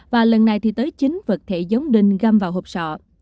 và lần này thì tới chín vật thể giống đinh găm vào hộp sọ